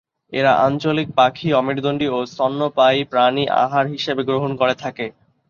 এরা আঞ্চলিক পাখি, অমেরুদণ্ডী ও স্তন্যপায়ী প্রাণী আহার হিসেবে গ্রহণ করে থাকে।